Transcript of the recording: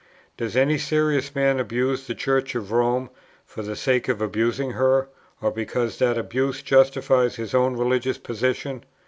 Does any serious man abuse the Church of Rome, for the sake of abusing her, or because that abuse justifies his own religious position?